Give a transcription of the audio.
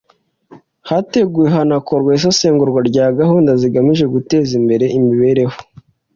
hateguwe hanakorwa isesengura rya gahunda zigamije guteza imbere imibereho